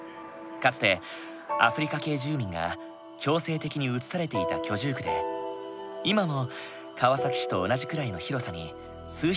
かつてアフリカ系住民が強制的に移されていた居住区で今も川崎市と同じぐらいの広さに数百万人が住んでいる。